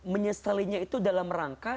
menyesalinya itu dalam rangka